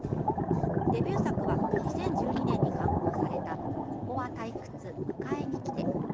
デビュー作は２０１２年に刊行された「ここは退屈迎えに来て」。